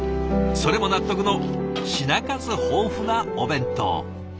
それも納得の品数豊富なお弁当。